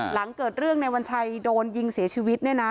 หลังเกิดเรื่องในวันชัยโดนยิงเสียชีวิตเนี่ยนะ